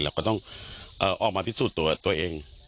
เราก็ต้องออกมาพิสูจน์ตัวเอง